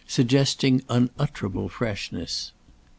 suggesting unutterable freshness.